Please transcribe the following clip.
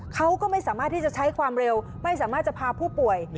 เขาก็ไม่สามารถที่จะใช้ความเร็วไม่สามารถจะพาผู้ป่วย